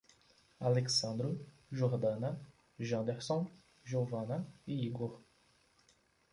Alexsandro, Jordana, Janderson, Jeovana e Higor